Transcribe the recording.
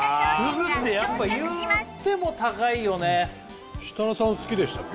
ふぐっていっても高いよね設楽さん好きでしたっけ？